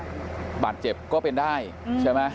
บาดเจ็บก็เป็นได้ใช่ไหม